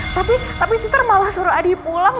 tapi tapi sister malah suruh adi pulang